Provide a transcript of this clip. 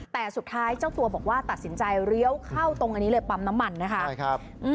แต่สุดท้ายเจ้าตัวบอกว่าตัดสินใจเลี้ยวเข้าตรงอันนี้เลยปั๊มน้ำมันนะคะใช่ครับ